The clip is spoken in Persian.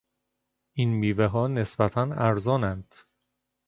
این میوهها نسبتا ارزانند.